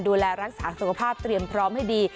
ดูแลรักษาสุขภาพเตรียมพร้อมให้ดี